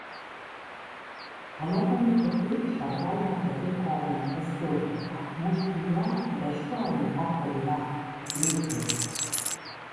Anatomikoki sorbalda-gerrikoaren hezur eta muskulua besoaren parte dira, definizioz.